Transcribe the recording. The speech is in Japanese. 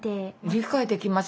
理解できます。